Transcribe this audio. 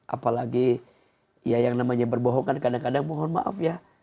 apalagi ya yang namanya berbohong kan kadang kadang mohon maaf ya